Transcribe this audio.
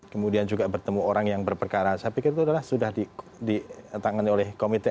kemudian juga bertemu orang yang berperkara saya pikir itu adalah sudah ditangani oleh komite